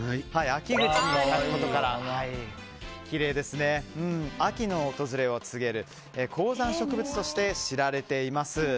秋口に咲くことから秋の訪れを告げる高山植物として知られています。